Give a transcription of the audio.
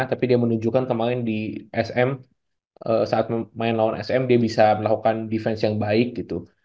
tapi dia menunjukkan kemarin di sm saat main lawan sm dia bisa melakukan defense yang baik gitu